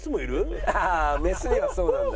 メスにはそうなんだ。